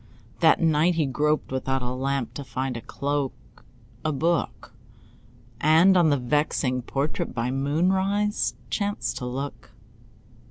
That night he groped without a lamp To find a cloak, a book, And on the vexing portrait By moonrise chanced to look.